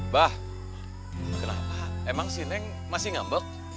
pak kenapa emang si neng masih ngambek